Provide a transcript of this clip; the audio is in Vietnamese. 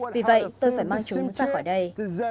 vì vậy tôi phải mang chúng ra khỏi đây